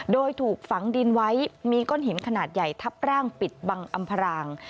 โดยถูกฝังดินไว้มีก้อนหินขนาดใหญ่ทับร่างปิดบังอำพราง